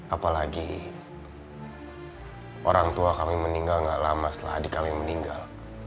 apalagi orang tua kami meninggal tidak lama setelah adik kami meninggal